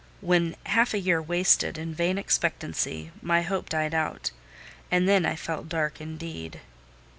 When half a year wasted in vain expectancy, my hope died out, and then I felt dark indeed.